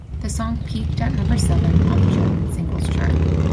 The song peaked at number seven on the German Singles Chart.